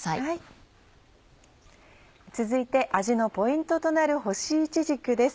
続いて味のポイントとなる干しいちじくです。